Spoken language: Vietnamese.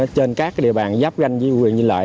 trên các địa bàn giáp ganh với quyền lợi